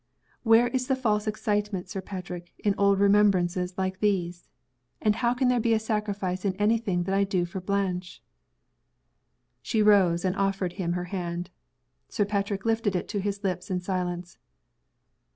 Where is the false excitement, Sir Patrick, in old remembrances like these? And how can there be a sacrifice in any thing that I do for Blanche?" She rose, and offered him her hand. Sir Patrick lifted it to his lips in silence.